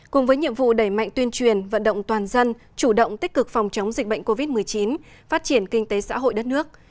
cùng với nhiệm vụ đẩy mạnh tuyên truyền vận động toàn dân chủ động tích cực phòng chống dịch bệnh covid một mươi chín phát triển kinh tế xã hội đất nước